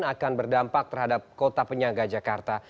akan berdampak terhadap kota penyangga jakarta